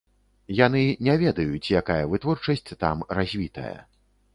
Яны не ведаюць, якая вытворчасць там развітая.